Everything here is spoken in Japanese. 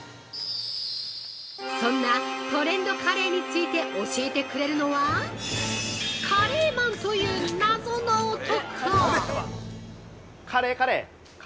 そんなトレンドカレーについて教えてくれるのはカレーマンという謎の男。